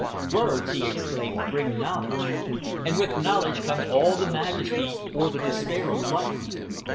"Words," he exclaimed, "bring knowledge, and with knowledge comes all the majesty or the despair of life.